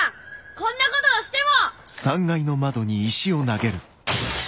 こんなことをしても！